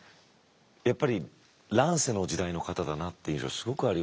やっぱり乱世の時代の方だなってすごくあるよね。